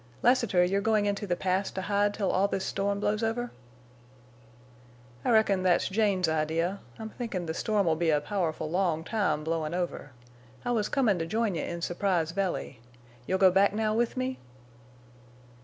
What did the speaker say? "Lassiter, you're going into the Pass to hide till all this storm blows over?" "I reckon that's Jane's idea. I'm thinkin' the storm'll be a powerful long time blowin' over. I was comin' to join you in Surprise Valley. You'll go back now with me?"